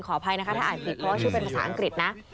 อภัยนะคะถ้าอ่านผิดเพราะว่าชื่อเป็นภาษาอังกฤษนะ